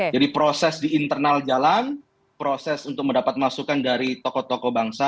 jadi proses di internal jalan proses untuk mendapat masukan dari tokoh tokoh bangsa